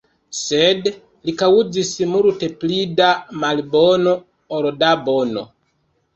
Sed li kaŭzis multe pli da malbono ol da bono.